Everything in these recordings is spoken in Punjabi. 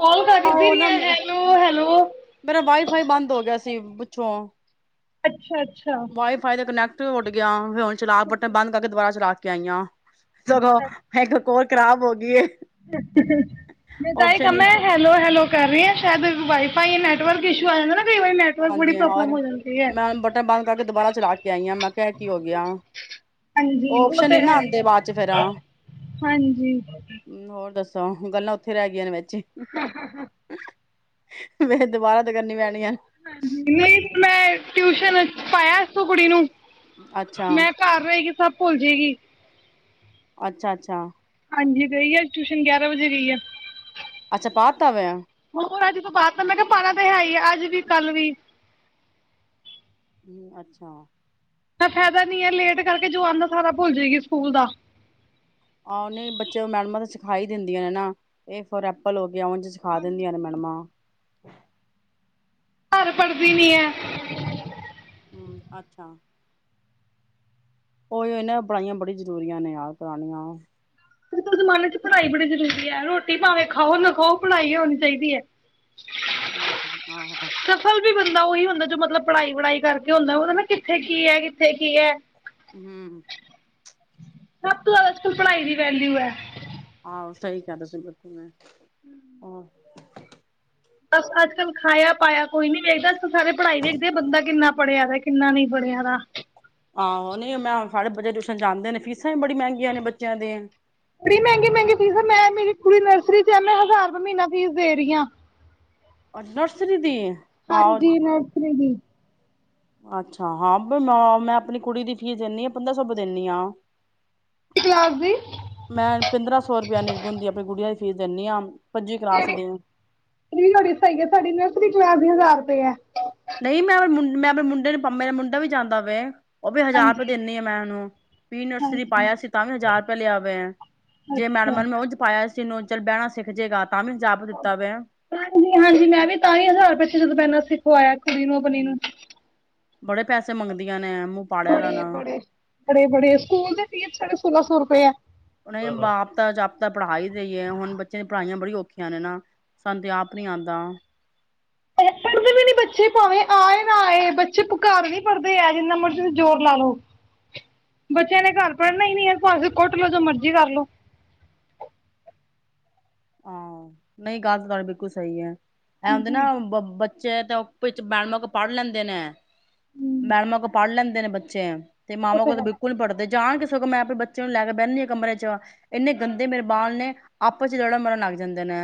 ਕਾਲ ਕਰਦੀ ਉਹ ਰਹੀ ਨਾ ਆ ਹੈਲੋ ਹੈਲੋ ਮੇਰਾ ਵਾਈਫਾਈ ਬੰਦ ਹੋ ਗਿਆ ਸੀ ਪੱਛੋਂ [unintelligible] [unintelligible] [unintelligible] [unintelligible] [unintelligible] [unintelligible] ਸਗੋਂ ਇੱਕ ਕੋਲ ਖ਼ਰਾਬ ਹੋ ਗਈ ਏ [unintelligible] ਓਪਸ਼ਨ ਨੈਟਵਰਕ ਇੱਸੂ ਆ ਜਾਂਦਾ ਨਾ ਕਈ ਵਾਰੀ ਨੈਟਵਰਕ ਬੜੀ ਹਾਂਜੀ ਪ੍ਰੋਬਲਮ ਹੋਰ, ਹੋ ਜਾਂਦੀ ਹੈ ਮੈਂ ਬਟਨ ਬੰਦ ਕਰਕੇ ਦੁਬਾਰਾ ਚਲਾ ਕੇ ਆਈ ਹਾਂ ਮੈਂ ਐਹ ਕੀ ਹੋ ਗਿਆ ਹਾਂਜੀ ਉਹ ਓਪਸ਼ਨ ਨੀ ਤੇ ਹੈ ਨਾ ਹੀ ਆਉਂਦੇ ਬਾਅਦ ਚ ਫੇਰ ਆ, ਹਾਂਜੀ [unintelligible] [unintelligible] ਮੈਂ ਦੁਬਾਰਾ ਤੇ ਕਰਨੀ ਪੈਣੀਆਂ [unintelligible] [unintelligible] ਕੁੜੀ ਨੂੰ ਅੱਛਾ ਮੈਂ ਘਰ ਰਹਿ ਗੀ ਸਭ ਭੁੱਲ ਜੇਗੀ ਅੱਛਾ-ਅੱਛਾ ਹਾਂਜੀ ਗਈ ਆ ਟਿਊਸ਼ਨ ਗਿਆਰਾਂ ਵਜੇ, ਗਈ ਆ ਅੱਛਾ ਪਾਤਾ ਵੇ ਹੋਰ ਅੱਜ ਤੋਂ ਬਾਦ ਤਾਂ ਮੈਂ ਕਿਹਾ ਪਾਣਾ ਤਾ ਹੈ ਹੀ ਆ, ਅੱਜ ਵੀ ਕੱਲ ਵੀ [inaudible] ਫਾਇਦਾ ਨੀ ਹੈ, ਲੇਟ ਕਰਕੇ ਜੋ ਆਉਦਾ ਸਾਰਾ ਭੁੱਲ ਜਾਏਗੀ ਸਕੂਲ ਦਾ ਆਹ ਨਹੀਂ ਬੱਚੇ ਮੈਡਮਾਂ ਤਾਂ ਸਿਖਾਈ ਦਿੰਦੀਆਂ ਨੇ ਨਾ ਏ ਫਾਰ ਐਪਲ ਹੋ ਵਿਆਹਣ ਚ ਸਿਖਾ ਦਿੰਦੀਆਂ ਨੇ ਮੈਡਮਾਂ ਘਰ ਪੜ੍ਹਦੀ ਨੀ ਹੈ। [unintelligible] ਹੂੰ, ਅੱਛਾ ਉਹੀ ਨਾ ਪਾਈਆਂ ਬੜੀ ਜ਼ਰੂਰੀਆਂ ਨੇ, ਕਰਾਣੀਆਂ ਹੁਣ ਦੇ ਜ਼ਮਾਨੇ ਚ ਪੜ੍ਹਾਈ ਬੜੀ ਜ਼ਰੂਰੀ ਹੈ। ਰੋਟੀ ਭਾਵੇਂ ਖਾਓ ਨਾ ਖਾਓ ਪੜਾਈ ਹੋਣੀ ਚਾਹੀਦੀ ਹੈ। ਹੂੰ, ਆਹੋ ਸਫਲ ਵੀ ਬੰਦਾ ਉਹੀ ਹੁੰਦਾ ਜੋ ਮਤਲਬ ਪੜ੍ਹਾਈ ਵੜਾਈ ਕਰਕੇ ਹੁੰਦਾ ਉਹ ਨਾ ਕਿੱਥੇ ਕੀ ਹੈ, ਕਿੱਥੇ ਕੀ ਹੈ ਹੂੰ ਸਭ ਤੋਂ ਜ਼ਿਆਦਾ ਅੱਜਕਲ ਪੜ੍ਹਾਈ ਦੀ ਵੈਲਿਊ ਹੈ। ਆਹੋ ਸਹੀ ਕਿਹਾ ਤੁਸੀ ਬਿਲਕੁਲ, ਮੈਂ ਹੋਰ ਬਸ ਅੱਜ ਕੱਲ੍ਹ ਖਾਇਆ -ਪਾਇਆ ਕੋਈ ਨੀ ਵੇਖਦਾ ਸਾਰੇ ਪੜ੍ਹਾਈ ਵੇਖਦੇ ਆ ਬੰਦਾ ਕਿੰਨਾ ਪੜ੍ਹਿਆ ਦਾ, ਕਿੰਨਾ ਨਹੀਂ ਪੜਿਆ ਦਾ ਆਹੋ ਨ ਮੈਂ ਸਾਡੇ ਬੱਚੇ ਟਿਊਸ਼ਨ ਜਾਂਦੇ ਨੇ ਫੀਸਾਂ ਵੀ ਬੜੀ ਮਹਿੰਗੀਆਂ ਨੇ ਬੱਚਿਆਂ ਦੇ ਬੜੀ ਮਹਿੰਗੇ -ਮਹਿੰਗੇ ਚੀਜ਼ਾਂ ਮੈਂ ਮੇਰੀ ਕੁੜੀ ਨਰਸਰੀ ਚ ਐੈਂ ਹਜ਼ਾਰ ਰੁਪਏ ਮਹੀਨਾ ਫੀਸ ਦੇ ਰਹੀ ਹਾਂ ਅ ਨਰਸਰੀ ਦੀ ਹਾਂ ਹਾਂਜੀ, ਨਰਸਰੀ ਦੀ ਅੱਛਾ ਹਾਂ ਮੈਂ ਮੈਂ ਆਪਣੀ ਕੁੜੀ ਦੀ ਫੀਸ ਦਿੰਦੀ ਆ ਪੰਦਰਾਂ ਸੌ ਦਿੰਦੀ ਹਾਂ ਕਲਾਸ ਦੀ ਮੈਂ ਪੰਦਰਾਂ ਸੌ ਰੁਪਇਆ ਨਿਰਗ ਹੁੰਦੀ ਆਪਣੀ ਗੁੜੀੀਆਂ ਦੀ ਫਿਰ ਦਿੰਨੀ ਆਂ ਕਿਹੜੀ ਸਹੀ ਗ ਤੁਹਾਡੀ ਮੈਂ ਆਪਣੀ ਕ ਆ ਨਹੀਂ ਮੈਂ ਆਪਣੇ ਮੈਂ ਆਪਣੇ ਮੁੰਡੇ ਨੂੰੇਰਾ ਮੁੰਡਾ ਵੀ ਜਾਂਦਾ ਵਵੇ ਉਹ ਵੀ ਹਜ਼ਾਰ ਰੁਪਏ ਹਾਂਜੀ ਦਿੰਦੀ ਆ ਮੈਂ ਉਹਨੂੰ ਪ ਨਰਸਰੀ ਹਾਂਜੀ ਪਾਇਆ ਸੀ ਤਾਂ ਵੀ ਹਜ਼ਾਰ ਰੁਪਆ ਲਿਆਵੇ ਹੈ ਜੇ ਅੱਛਾ ਮੈਡਮਰ ਮੈਂ ਉਹਝ ਪਾਇਆ ਚਿਨੂੰ ਚੱਲ ਬਹਿਣਾ ਸਿੱਖ ਜਾਏਗਾ ਹਾਂਜੀ ਹਾਂਜੀ ਮੈਂ ਵੀ ਤਈ ਹਜ਼ਾਰ ਪ ਜਦੋਂ ਪੈਂਦਾ ਸੀ ਹੋਇਆ ਕਨੋ ਪਨੀਨ [unintelligible] ਬੜੇ ਪੈਸੇ ਮੰਗਦੀਆਂ ਨੇ ਮੂੰਹ ਪਾੜਿਆ ਦਾ ਬੜੇ ਨਾ ਬੜੇ ਬੜੇ ਬੜੇ ਸਕੂਲ ਦੇ ਫੀਸੜੇ ਸੋਲਾਂ ਸੌ ਰੁਪਏਆ ਉਹਨ ਬਾਪਤਾ ਜਾਪਤਾ ਪੜ੍ਹਾ ਹੀ ਦੇਈਏ ਹੁਣ ਬੱਚਿਆਂ ਦੀ ਪੜ੍ਹਾਈਆਂ ਬੜੀ ਅੁਕਖੀ ਔਖੀਆਂ ਨੇ ਨਾ ਸਾਨੂੰ ਤੇ ਆਪ ਨੀ ਆਉਂਦਾ ਪੜਦੇ ਵੀ ਨੀ ਬੱਚੇ ਭਾਵੇਂ ਆਏ ਨਾ ਆਏ ਬੱਚੇ ਘਰ ਨੀ ਪੜ੍ਹਦੇ ਆ ਜਿੰਨਾ ਮਰਜ਼ੀ ਜ਼ੋਰ ਲਾ ਲਓ ਬੱਚਿਆਂ ਨੇ ਘਰ ਪੜ੍ਹਨਾ ਹੀ ਨੀ ਭਾਵੇਂ ਕੁੱਟ ਲ ਜੋ ਮਰਜ਼ੀ ਕਰ ਲੋ ਹਾਂ ਨਹੀਂ ਗੱਲ ਤਾਂ ਤੁਹਾੇ ਬਿਲਕੁਲ ਸਹੀ ਹੈ ਇਹ ਹੁਦੇ ਨੇ ਹਾਂਜੀ ਨਾ ਬੱਚੇ ਤੇ ਵਿਚ ਉਹ [unintelligible] ਪੜ੍ਹ ਲੈਂਦੇ ਨੇ ਹਮ, ਮੈਡਮਾਂ ਕੋ ਪੜ੍ਹ ਲੈਂਦੇ ਦੇ ਨੇ ਬੱਚੇ ਤੇ ਉਹ ਮਾਮਾ ਕੋ ਤਾਂ ਹੈ ਬਿਲਕੁਲ ਪੜਦੇ ਜਾਣ ਸੋਂ ਮੈਂ ਆਪਣੇ ਬੱਚਿਆਂ ਨੂੰ ਲੈ ਕੇ ਬਹਿਿੰ ਨ ਕਮਰੇ ਚ ਆ ਇੰਨੇ ਗੰਦੇ ਮੇਰੇ ਬਾਲ ਨੇ ਆਪਸ ਚ ਜਹੜਾ ਮ ਲੱਗ ਜਾਂਦੇ ਨੇ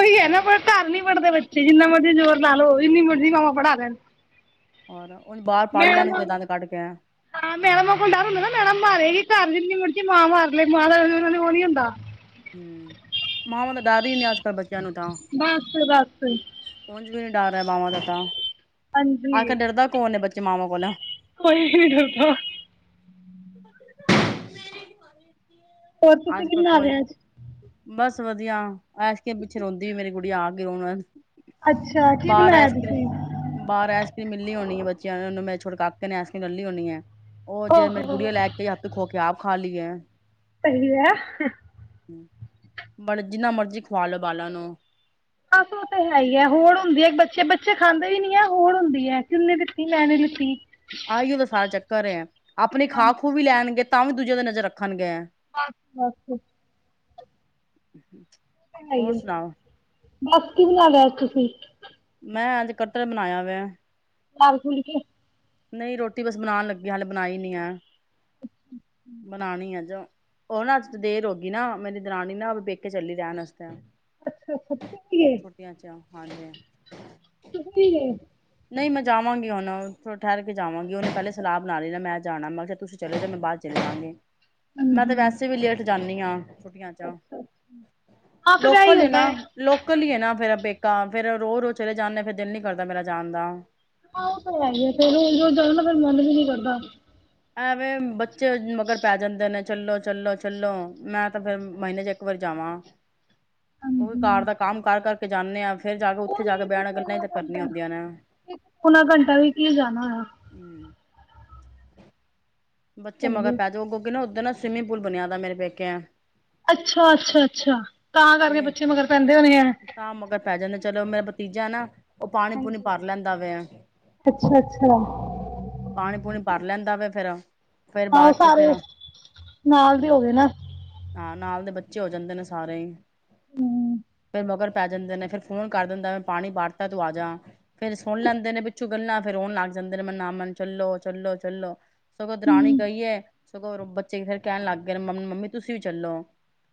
ਉਹੀ ਹੈ ਨਾ ਪਰ ਘਰ ਨਹੀਂੀ ਪੜ੍ਹਦੇ ਬੱਚੇ ਜਿੰਨਾ ਮਰਜ਼ੀ ਜੋਰ ਬਨਾ ਲੋ ਇੰਨੀ ਮਰਜ਼ੀਾ [unintelligible] [unintelligible] ਹੋਰ ਬਾਹਰ ਪੜ੍ਹ ਮੈਡ ਲੈਣਗੇ ਦੰਦ ਕੱਢ ਕੇ ਹਾਂ ਮੈਡਮ ਆਪ ਕੋਲ ਡਰ ਹੁੰਦਾ ਨਾ ਮੈਡਮ ਮਾਰੇਗੀ ਘਰ [unintelligible] ਹਮ ਮਾਵ ਤਾਂ ਡਰ ਹੀ ਨਹੀਂ ਬੱਸ ਬੱਸ ਕੁਝ ਵੀ ਨੀ ਡਰ ਰਿਹਾ ਮਾਵਾਂ ਦਾ ਤਾਂ ਆ ਕੇ ਹਾਂਜੀ ਡਰਦਾ ਕੌਣ ਨੇ ਬੱਚਾ ਮਾਵਾਂ ਕੋਲੋਂ ਕੋਈ ਵੀ [unintelligible] ਹੋਰ ਤੁਸੀਂ ਅੱਜ ਕੱਲ ਕਿਨਾ ਕੋਈ ਬਨਾਲਿਆ ਅੱਜ ਬਸ ਵਧੀਆ [unintelligible] ਪਿੱਛੇ ਰੋਂਦੀ ਮੇਰੀ ਕੁੜੀ [unintelligible] [unintelligible] ਅੱਛਾ ਕੀ ਬਾਹਾਰ ਬਣਾਇਆ ਆਈਸ ਕਰ੍ਰੀਮ ਤੁਸੀਂ ਬਾਹਾਰ ਆਈਸ ਕਰ੍ਰੀਮ ਮਿਲਣੀ ਹੋਣੀ ਹੈ ਬੱਚਿਆਂ ਨੇ ਉਹਨੂੰ ਮੈਂ ਛੁਟ ਕਾਕੇ ਨੇ ਐਸ ਕਰੀਮ ਡੌਲੀ ਹਣੀ ਐ ਉਹ ਜੇ ਮੇਰੀ ਓਹੋ ਗੁੜੀਆਂ ਲੈ ਕੇ ਹੱਥ ਖੋ ਕੇ [unintelligible] ਖਾ ਲਈ ਹੈ ਸਹੀ ਆ ਬੜ ਜਿੰਨਾ ਮਰਜੀ ਖਵਾ ਲੋ ਬਾਲਾਂ ਨੂੰ ਬਸ ਉਹ ਤਾਂ ਹੈ ਹੀ ਹੈ ਹੋਰ ਹੁੰਦੀ ਹੈ ਬੱਚੇ ਬੱਚੇ ਖਾਂਦੇ ਵੀ ਨੀ ਹੈ ਹੋਰ ਹੁੰਦੀ ਹੈ ਕਿਨੇ ਲਤੀ ਮੈਂ ਨ ਲਿੱਤੀ ਆਈਓ ਤਾਂ ਸਾਰਾ ਚੱਕਰ ਹੈ ਆਪਣੀ ਖਾਹ ਖੂਹ ਵੀ ਲੈਣਗੇ ਤਾਂ ਵੀ ਦੂਜ ਦੇ ਨਜ਼ਰੱਖ ਅੱਛ ਅੱਛਾ [unintelligible] ਹੋਰ ਸੁਣਾਓ ਬੱਸ ਕੀ ਬਣਾ ਲਿਆ ਸੀ ਤੁਸੀਂ ਮੈਂ ਅੱਜ ਕੱਠਲ ਬਣਾਇਆ ਵਆ ਲਾਲ ਖੁਲ ਕੇ [unintelligible] ਨਹੀਂ ਰੋਟੀ ਬਸ ਬਣਾਉਣ ਲੱਗੀ ਹਾਲੇ ਬਣਾਈ ਨਹੀਂੀ ਆ ਬਣਾਉਣੀ ਆ ਜੋ ਉਹਨਾਂ ਚ ਦੇਰ ਹੋਗੀ ਨਾ ਮੇਰੀ ਦਰਾਨੀ ਨਾ ਵੇਖਕੇ ਚੱਲੀ ਰਹਿਣ ਵਸਤੇ ਅੱਛਾ ਅੱਛਾ ਤੁਸੀਂ ਕੀ ਗ ਛੁੱਟੀਆਂ ਚ ਹਾਂਜੀ ਤੁਸੀਂ ਕੀ ਗ ਨਹੀਂ ਮੈਂ ਜਾਵਾਂਗੀ ਹੁਣ ਠਹਿਰ ਕੇ ਜਾਵਾਂਗੀ ਉਹਨੇ ਪਹਿਲੇ ਸਲਾਹ ਬਣਾ ਲ ਲਈ ਨਾ ਮੈਂ ਜਾਣਾ ਮੈਂ ਕਿਹਾ ਤੁਸੀਂ ਚਲੇ ਜਾ ਮੈਂ ਬਾਅਦ ਚਲੇ ਜਾਵਾਂਗੀ ਮੈਂ ਤੇ ਹਾਂਜੀ ਵੈਸੇ ਵੀ ਲੇਟ ਜਾਂਦੀ ੀਆਂ ਛੁੱਟੀਆਂ ਚ ਅੱਛਾ ਹਾਂ ਫਿਰ ਇਹੀ ਲੋਕਲ ਹੁੰਦਾ ਨਾ ਹੈ ਲੋਕਲ ਹੀ ਨਾ ਫੇਿਰ ਤਾਂ ਫਿਰ ਰੋ ਰੋਜ਼ ਚਲੇ ਜਾਂਦੇ ਫ਼ਿਰ ਦਿਲ ਨੀ ਕਰਦਾ ਮੇਰਾ ਜਾਂਦਾ ਹਾਂ ਉਹ ਤਾਂ ਹੈ ਹੀ ਫ ਰੋਜ਼ ਰੋਜ਼ ਜਦ ਨਾ ਫੇ ਮਨ ਵੀ ਨੀ ਕਰਦਾ ਐਵੇਂ ਬੱਚ ਮਗਰ ਪੈ ਜਾਂਦੇ ਨੇ ਚੱਲੋ ਚੱਲੋ ਚੱਲੋ ਮੈਂ ਤਾਂ ਫੇਿਰ ਮਹੀਨੇ ਚ ਇੱਕ ਵਾਰੀ ਜਾਵਾਂ ਉਹ ਵੀ ਕਾਰ ਹਾਂਜੀ ਦਾ ਕੰਮ ਕਰ ਕਰਕੇ ਜਾਂਾਨਦੇ ਹਾਂ ਫੇਰ ਜਾ ਕੇ ਉਹ ਉੱਥੇ ਜਾ ਵੀ ਕੇ ਇੱਕ ਵਿਆਣ ਗੱਲਾਂ ਹੀ ਪੌਣਾ ਤਾਂ ਘੰਟਾ ਕਰਨੀਆਂ ਹੁੰਦੀਆਂ ਨੇ ਹਮ ਇੱਕ ਪੌਣਾ ਘੰਟਾ ਵੀ ਕੀ ਜਾਣਾ ਹੋਇਆ ਬੱਚੇ ਸਹੀ ਮਗਰ ਹੈ। ਪੈ ਜਾਓ ਅੱੋਗੇ ਨਾ ਉਓਧਰ ਨਾ ਸਵਿਮਿੰਗ ਪੂਲ ਬਣਿਆ ਦਾ ਮੇਰੇ ਪੇਕੇ ਅੱਛਾ ਅੱਛਾ ਅੱਛਾ ਤਾਂ ਕਰਕੇ ਤੇ ਬੱਚੇ ਮਗਰ ਪੈਂਦੇ ਹੋਣੇ ਹੈ ਤਾਂ ਮਗਰ ਪੈ ਜਾਂਦਾ ਚਲੋ ਮੇਰਾ ਭਤੀਜਾ ਨਾ ਉਹ ਪਾਣੀ ਪੂਣੀ ਹਾਂਜੀ। ਭਰ ਲੈਂਦਾ ਵੇ ਅੱਛਾ ਅੱਛਾ ਪਾਣੀ ਪੂਣੀ ਭਰ ਲੈਂਦਾ ਵ ਫੇਿਰ ਆਹੋ ਸਾਰੇ ਨਾਲ ਦੇ ਹੋ ਗਏ ਨਾ ਹਾਂ ਨਾਲ ਦੇ ਬੱਚੇ ਹੋ ਜਾਂਦੇ ਨੇ ਸਾਰੇ ਹੀ ਹਮ ਫੇਰ ਮਗਰ ਪੈ ਜਾਂਦੇ ਨੇ ਫੇਿਰ ਫੋਨ ਕਰ ਦਿੰਦਾੈਂ ਪਾਣੀ ਵਰਤਾ ਤੂੰ ਆ ਜਾ ਫੇਿਰ ਸੁਣ ਲੈਂਦੇ ਨੇ ਪਿੱਛੋਂ ਗੱਲਾਂ ਫੇਰ ਆਉਣ ਲੱਗ ਜਾਂਦੇ ਨੇ ਮੈਨਮਨ ਚੱਲੋ ਚੱਲੋ ਚੱਲੋ ਸਗੋਂ ਦ ਰਾਣੀ ਹੂੰ ਗਈ ਹੈ ਸਗੋਂ ਬੱਚੇ ਫੇਰ ਕਹਿਣ ਲੱਗ ਗਏ ਮੰਮੀ ਤੁਸੀਂ ਵੀ ਚੱਲੋ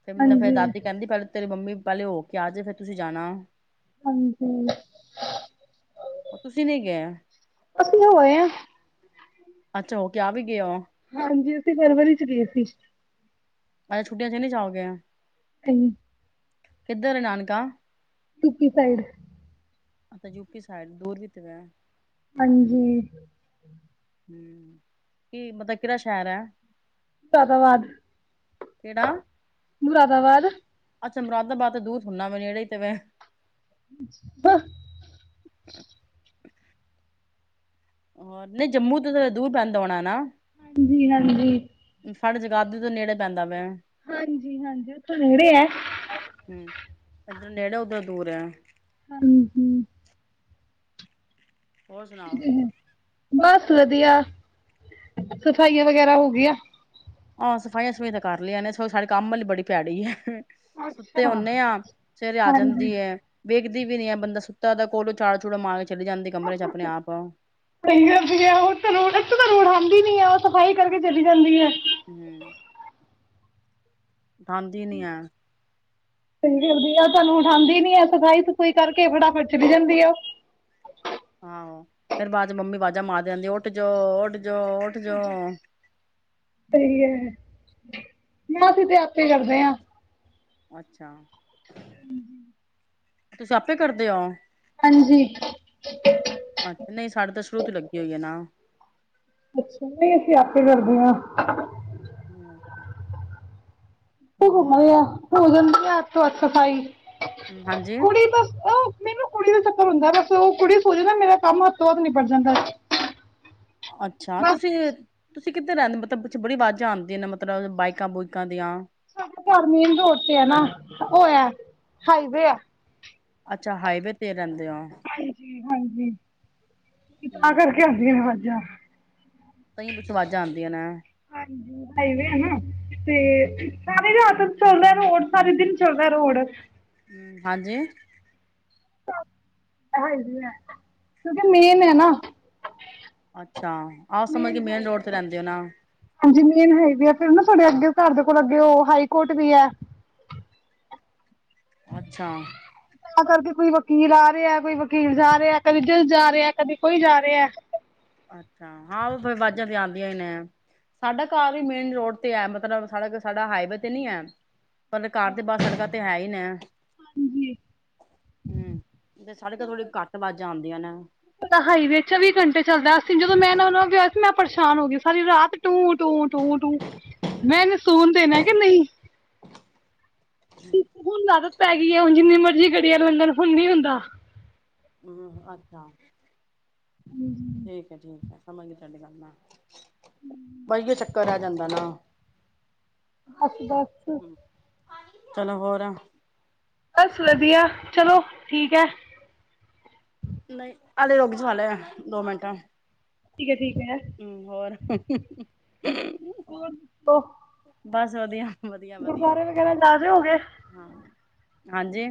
ਫਿਰ ਮ ਫੇਿਰ ਹਾਂਜੀ ਦਾਦੀ ਕਹਿੰਦੀ ਪਹਿਲਲੇ ਤੇਰੀ ਮੰਮੀ ਪਹਿਲੇ ਹੋ ਕੇ ਆਜੇ ਫੇਰ ਤੁਸੀਂ ਜਾਣਾ ਹਾਂਜੀ ਤੁਸੀਂ ਨੀ ਗਏ ਅਸੀਂ ਹੋਏ ਹ ਅੱਛਾ ਹੋ ਕੇ ਆ ਵੀ ਗਯਾ ਓਹ [unintelligible] ਅਸੀ ਫਰਵਰੀ ਚ ਗਏ ਸੀ [unintelligible] [unintelligible] ਕਿੱਧਰ ਨਾਨਕਾ [unintelligible] [unintelligible] [unintelligible] [unintelligible] ਮੁਰਾਦਾਬਾਦ ਕਿਹੜਾ ਮੁਰਾਦਾਬਾਦ [unintelligible] [unintelligible] [unintelligible] [unintelligible] ਨਹੀਂ ਜੰਮੂ ਤੋਂ ਤਾਂ ਦੂਰ ਪੈਂਦਾ ਹੋਣਾ ਨਾ ਹਾਂਜੀ ਹਾਂਜੀ ਪਰ ਜਗਾਧਾਰੀ ਤੋਂ ਨੇੜੇ ਪੈਂਦਾ ਵੇ ਹਾਂਜੀ ਹਾਂਜੀ ਓਥੋਂ ਨੇਡ਼ੇ ਹੈ ਐਥੋਂ ਨੇਡ਼ੇ ਓਦਰੋ ਦੂਰ ਹੈ [unintelligible] ਹੋਰ ਸੁਣਾਓ ਉਹ ਤੇ ਹੈ ਬਸ ਵਧੀਆ ਸਫਾਈਆਂ ਵਗੈਰਾ ਹੋਗੀ ਹੈ ਹਾਂ ਸਫਾਈਆਂ ਸੂਫ਼ੀਆਂ ਤਾਂ ਕਰ ਲਿਆਂ ਨੇ [unintelligible] ਸਾਡੇ ਕੰਮ ਵਾਲੀ ਬੜੀ ਭੈੜੀ ਹੈ ਅੱਛਾ ਸੁੱਤੇ ਹੋਣੇ ਆ ਫੇਰ ਆ ਹਾਂਜੀ ਜਾਂਦੀ ਏ [unintelligible] [unintelligible] ਆਂਦੀ ਨੀ ਹੈ ਉਹ ਸਫ਼ਾਈ ਕਰਕੇ ਚਲੀ ਜਾਂਦੀ ਹੈ [inaudible] [inaudible] [unintelligible] [unintelligible] ਉਠਾਉਂਦੀ ਨੀ ਹੈ ਸਫਾਈ ਸਫੂਈ ਕਰਕੇ ਫਟਾਫਟ ਚੱਲੀ ਜਾਂਦੀ ਓਹ ਆਹੋ ਫੇਰ ਬਾਦ ਚ ਮੰਮੀ ਅਵਾਜ਼ਾਂ ਮਾਰਦੀ ਰਹਿੰਦੀ ਉੱਠ ਜੋ ਉੱਠ ਜੋ ਉੱਠ ਜੋ ਸਹੀ ਹੈ [unintelligible] [inaudible] ਤੁਸੀਂ ਆਪੇ ਕਰਦੇ ਓ ਹਾਂਜੀ ਨਹੀਂ ਸਾਡੇ ਤਾਂ ਸ਼ੁਰੂ ਤੋਂ ਲੱਗੀ ਹੋਈ ਏ ਨਾ ਨਹੀਂ ਅਸੀਂ ਆਪੇ ਕਰਦੇ ਆਂ [inaudible] [unintelligible] ਹੋਰ ਸਫ਼ਾਈ ਹਾਂਜੀ ਕੁੜੀ ਤਾਂ ਮੈਨੂੰ ਕੁੜੀ ਦਾ ਚੱਕਰ ਹੁੰਦੈ ਬਸ ਉਹ ਕੁੜੀ ਸੋ ਜੇ ਨਾ ਮੇਰਾ ਕੰਮ ਹੱਥੋ ਹੱਥ ਨਿੱਬੜ ਜਾਂਦੈ। ਅੱਛਾ ਤੁਸੀਂ ਤੁਸੀਂ ਕਿੱਧਰ ਰਹਿੰਦੇ ਮਤਲਬ ਪਿੱਛੋਂ ਬੜੀ ਆਵਾਜ਼ਾਂ ਆਂਦੀਆਂ ਨੇ ਮਤਲਬ ਬਾਈਕਾਂ ਬੁਇਕਾਂ ਦੀਆਂ ਸਾਡਾ ਘਰ ਮੇਨ ਰੋਡ ਤੇ ਹੈ ਨਾ ਹੋਇਆ ਹਾਈ ਵੇ ਐ ਅੱਛਾ ਹਾਈਵੇ ਤੇ ਰਹਿੰਦੇ ਹੋ ਹਾਂਜੀ ਹਾਂਜੀ ਤਾਂ ਕਰਕੇ ਆਂਦੀਆਂ ਨੇ ਬਾਜਾਂ ਤਾਂਹੀ ਪਿੱਛੋਂ ਆਵਾਜ਼ਾਂ ਆਉਂਦੀਆਂ ਨੇ ਹਾਂਜੀ ਹਾਈਵੇ ਹੈ ਨਾ ਤੇ ਸਾਰੀ ਰਾਤ ਚੱਲਦਾ ਰੋਡ ਸਾਰੇ ਦਿਨ ਚੱਲਦਾ ਰੋਡ ਹਾਂਜੀ ਹ ਆ [unintelligible] ਕਿਉਂਕਿ ਮੇਨ ਹੈ ਨਾ ਅੱਛਾ ਆਹ ਸਮਝ ਕੇ ਮੇਨ ਰੋਡ ਤੇ ਰਹਿੰਦੇ ਹੋ ਨਾ ਹਾਂਜੀ ਮੇਨ ਹਾਈਵੇ ਐ ਫਿਰ ਨਾ ਸਾਡੇ ਅੱਗੇ ਘਰ ਦੇ ਕੋਲ ਅੱਗੇ ਉਹ ਹਾਈ ਕੋਰਟ ਵੀ ਹੈ ਅੱਛਾ ਕਰਕੇ ਕੋਈ ਵਕੀਲ ਆ ਰਿਹਾ ਕੋਈ ਵਕੀਲ ਜਾ ਰਿਹਾ ਕਦੇ ਦਿਲ ਜਾ ਰਿਹਾ ਕਦੀ ਕੋਈ ਜਾ ਰਿਹਾ ਅੱਛਾ ਹਾਂ ਵਾਜ਼ਾਂ ਤੇ ਆਂਦੀਆਂ ਹੀ ਨੇ ਸਾਡਾ ਘਰ ਵੀ ਮੇਨ ਰੋਡ ਤੇ ਹੈ ਮਤਲਬ ਸਾ ਸਾਡਾ ਹਾਈਵੇ ਤੇ ਨੀ ਹੈ ਪਰ ਘਰ ਦੇ ਬਸ ਤੇ ਹੈ ਹੀ ਨਾ ਹਾਂਜੀ ਹਮ ਤੇ ਸੜਕਾਂ ਥੋੜੀ ਘੱਟ ਵਾਜ਼ਾਂ ਆਉਂਦੀਆਂ ਨੇ ਪਤਾ ਹਾਈਵੇ ਚਵੀਂ ਘੰਟੇ ਚੱਲਦਾ ਜਦੋਂ ਮੇਰਾ ਨਵਾਂ ਨਵਾਂ ਵਿਆਹ ਹੋਇਆ ਸੀ ਮੈਂ ਪਰੇਸ਼ਾਨ ਹੋ ਗਈ ਸਾਰੀ ਰਾਤ ਟੂੰ ਟੂੰ ਟੂੰ ਟੂੰ ਮੈਂ ਇਹਨੇ ਸੁਣ ਦੇਣਾ ਕਿ ਨਹੀਂ ਹੁਣ ਆਦਤ ਪੈ ਗਈ ਐ ਹੁਣ ਜਿੰਨੀ ਮਰਜ਼ੀ ਗੱਡਿਆਂ ਲੰਘਣ ਹੁਣ ਨੀ ਹੁੰਦਾ ਹਮ ਅੱਛਾ ਠੀਕ ਹੈ ਸਮਝ [unintelligible] ਚਡੀ ਦੱਲ ਨਾਲ ਵਧੀਏ [unintelligible] ਚੱਕ ਕਰਿਆ ਜਾਂਦਾ ਨਾ ਬਸ ਬਸ ਚਲੋ ਹੋਰ ਬਸ ਵਧੀਆ ਚਲੋ ਠੀਕ ਹੈ ਨਹੀਂ ਆਲੇ ਲੋਗ ਦੁਆਲੇ ਏ ਦੋ ਮਿੰਟਾਂ ਹੈ ਠੀਕ ਹੈ ਹਮ ਹੋਰ ਹੋਰ ਦੱਸੋ ਬਸ ਵਧੀਆ ਵਧੀਆ ਵਧੀਆ ਗੁਰਦੁਆਰੇ ਵਗੈਰਾ ਜਾ ਰੇ ਹੋਗੇ ਹਾਂ ਹਾਂਜੀ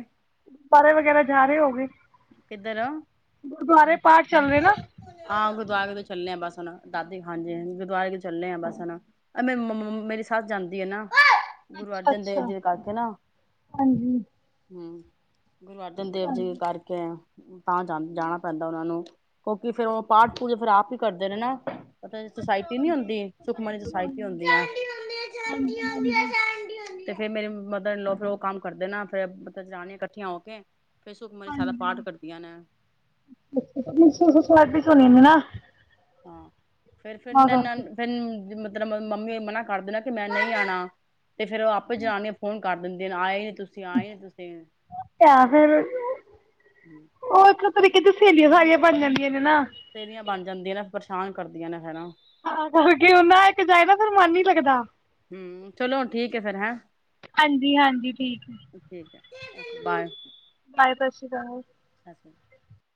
ਗੁਰੂ ਦੁਆਰੈ ਵਗੈਰਾ ਜਾ ਰਹੇ ਹੋ ਗਏ ਕਿੱਧਰ ਹੋ ਗੁਰਦੁਆਰੇ ਪਾਠ ਚੱਲਦੇ ਨਾ ਹਾਂ ਗੁਰਦੁਆਰੇ ਤੋਂ ਚੱਲੇ ਆ ਬਸੁਣ ਦਾਦੀ ਹਾਂਜੀ ਹ ਗੁਰਦਆਰੇ ਚੱਲੇ ਆਾਂ ਬਸੁਣ ਮੇ ਮੰ ਮੇਰੀ ਸਸ ਜਾਂਦੀ ਆ ਨਾ ਗੁਰੂ ਅੱਛਾ ਅਰਜਨ ਦੇਵ ਅੱਛਾ ਜੀ ਦੇ ਕਰਕੇ ਨਾ ਹਾਂਜੀ ਹਮ ਗੁਰੂ ਅਰਜਨ ਅੱਛੀ ਦੇਵ ਗੱਲ ਜੀ ਹੈ ਕਰਕੇ ਤਾਂ ਜਾਣਾ ਪੈਂਦਾ ਉਹਨਾਂ ਨੂੰ ਕਿਉਂਕਿ ਫੇਰ ਉਹ ਪਾਠ ਪੂਜਾ ਫੇਿਰ ਆਪ ਹੀ ਕਰਦੇ ਨੇ ਨਾ ਪਤਾ ਅੱਛਾ ਸੋਸਾਇਟੀ ਨੀ ਵੱਡੇ ਹੁੰਦੀ ਸੁਖਮਣੀ ਸੁਸਾਇਟੀ ਸੋਸਾਇਟੀ ਹੋਣੀ ਹੁੰਦੀ ਆ ਹਾਂਜੀ ਹਾਂਜੀ ਤੇ ਫੇਿਰ ਮੇਰੀ ਮਦਰ ਲਓ ਫਿਰ ਉਹ ਕੰਮ ਕਰਦੇ ਨਾ ਫਿਰ ਮਤਲਬ ਜਾਣ ਇਕੱਠੀਆਂ ਹੋ ਕੇ ਫਿਰ ਸੁਖਮਨੀ ਸਾਹਿਬ ਦਾ ਹਾਂਜੀ ਪਾਠ ਕਰਦੀਆਂ ਨੇ [unintelligible] ਹਾਂ ਫੇਿਰ ਤਾਂ ਕਰਕੇ ਫਿਰ ਫਿਰ ਜ ਮੰਮੀ ਮਨਾ ਕਰਦੇ ਨਾ ਕਿ ਮੈਂ ਨਹੀਂ ਆਉਣਾ ਤੇ ਫੇਿਰ ਉਹ ਆਪ ਜ ਜਾਣ ਫੋਨ ਕਰ ਦਿੰਦੇ ਨੇ ਆਏ ਹੀ ਨ ਤੁਸੀਂ ਆਏ ਨ ਤੁਸੀਂ ਤਾਂ ਫਿਰ ਉਹਥੇ ਤੇ ਸਹੇਲੀਆਂ ਸਾਰੀਆਂ ਬਣ ਜਾਂਦੀਆਂ ਨੇ ਨਾ ਸੇਲਿਆ ਬਣ ਜਾਂਦੀਆਂ ਨਾ ਕਰਦੀਆਂ ਨੇ ਹੈ ਨਾ ਫਿਰ ਕੀ ਹੁੰਦਾ ਜਾਈਦਾ ਫਿਰ ਮਨ ਹੀ ਲੱਗਦਾ ਹਮ ਚਲੋ ਠੀਕ ਹੈ ਫੇਰ ਹੈਂ ਹਾਂਜੀ ਹਾਂਜੀ ਠੀਕ ਹੈ ਠੀਕ ਬਾਏ ਸਤ ਸ੍ਰੀ ਅਕਾਲ ਅਸ [unintelligible]